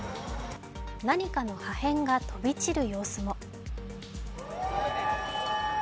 何かの破片が飛び散る様子も。